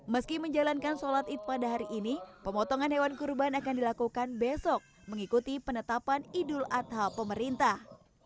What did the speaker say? meski menjalankan sholat id pada hari ini pemotongan hewan kurban akan dilakukan besok mengikuti penetapan idul adha pemerintah